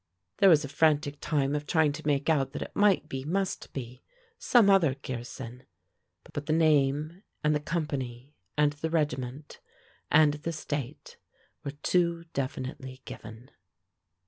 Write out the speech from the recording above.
There was a frantic time of trying to make out that it might be, must be, some other Gearson; but the name, and the company and the regiment, and the State were too definitely given.